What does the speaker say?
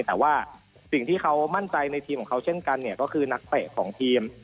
แต่ว่าสิ่งที่เขามั่นใจในทีมของเขาเช่นกันเนี่ยก็คือนักเตะของทีม